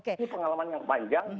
ini pengalaman yang panjang